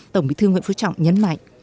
tổng bí thư nguyễn phú trọng nhấn mạnh